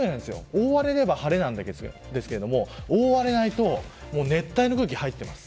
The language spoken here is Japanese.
覆われれば晴れなんですけど覆われないと熱帯の空気が入ってきます。